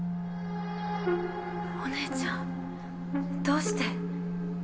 お姉ちゃんどうして？